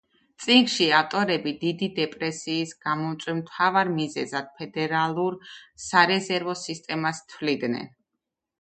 წიგნში ავტორები დიდი დეპრესიის გამომწვევ მთავარ მიზეზად ფედერალურ სარეზერვო სისტემას თვლიდნენ.